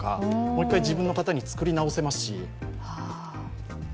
もう一回、自分の型に作り直せますし。